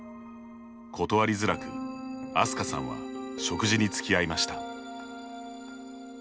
断りづらく、あすかさんは食事に付き合いました。